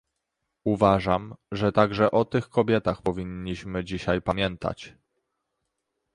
Uważam, że także o tych kobietach powinniśmy dzisiaj pamiętać